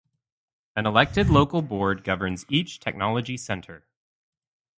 An elected local board governs each technology center.